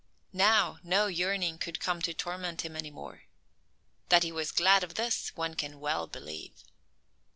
Now, no yearning could come to torment him any more. That he was glad of this one can well believe.